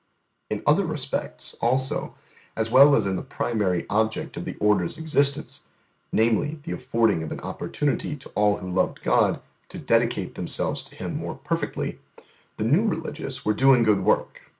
In other respects, also, as well as in the primary object of the Order's existence (namely, the affording of an opportunity to all who loved God to dedicate themselves to Him more perfectly), the new Religious were doing good work.